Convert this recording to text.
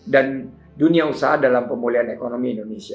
dan dunia usaha dalam pemulihan ekonomi indonesia